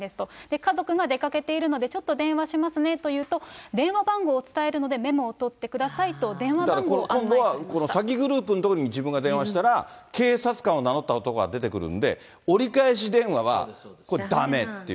家族が出かけているので、ちょっと電話しますねというと、電話番号を伝えるので、メモを取ってくださいと、電話番号を案内されま今度は詐欺グループのところに自分が電話したら、警察官を名乗った男が出てくるんで、折り返し電話はこれ、だめっていうこと。